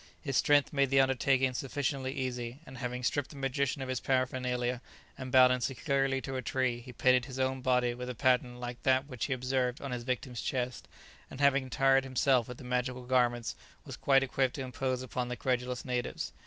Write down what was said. His strength made the undertaking sufficiently easy; and having stripped the magician of his paraphernalia, and bound him securely to a tree, he painted his own body with a pattern like that which he observed on his victim's chest, and having attired himself with the magical garments was quite equipped to impose upon the credulous natives.